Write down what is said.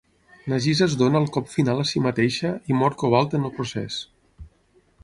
Nagisa es dóna el cop final a si mateixa i mor Cobalt en el procés.